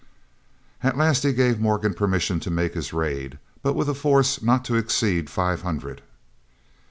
At last he gave Morgan permission to make his raid, but with a force not to exceed five hundred.